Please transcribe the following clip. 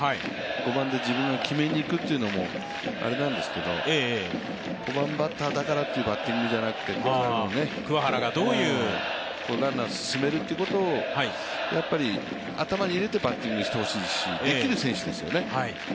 ５番で自分が決めにいくというのもあれなんですけれども、５番バッターだからというバッティングじゃなくてランナーを進めるということを頭に入れてバッティングしてほしいし、できる選手ですよね。